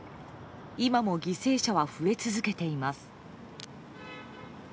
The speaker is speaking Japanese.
今も犠牲者は増え続けています。